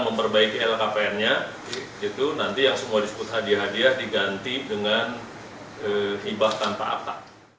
memperbaiki lhkpn nya itu nanti yang semua disebut hadiah hadiah diganti dengan hibah tanpa akta